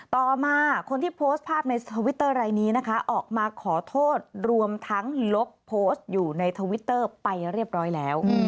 ต่อมาคนที่โพสต์ภาพในทวิตเตอร์รายนี้นะคะออกมาขอโทษรวมทั้งลบโพสต์อยู่ในทวิตเตอร์ไปเรียบร้อยแล้ว